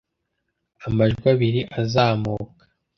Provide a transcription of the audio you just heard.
Amajwi abiri azamuka